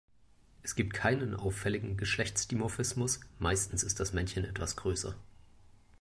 Es gibt keinen auffälligen Geschlechtsdimorphismus, meistens ist das Männchen etwas größer.